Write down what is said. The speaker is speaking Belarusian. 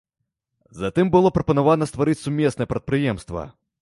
Затым было прапанавана стварыць сумеснае прадпрыемства.